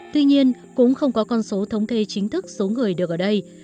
tuy nhiên cũng không có con số thống kê chính thức số người được ở đây